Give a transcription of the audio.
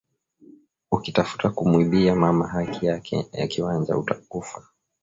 Ukitafuta ku mwibia mama haki yake ya kiwanja uta kufa